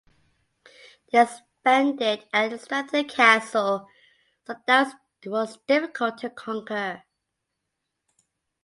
They expanded and strengthened the castle so that it was difficult to conquer.